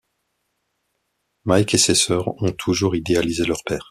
Mike et ses sœurs ont toujours idéalisé leur père.